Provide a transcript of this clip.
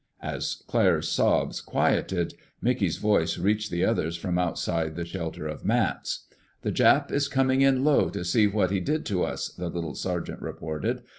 As Claire's sobs quieted, Mickey's voice reached the others from outside the shelter of mats. "The Jap is comin' in low to see what he did to us," the little sergeant reported.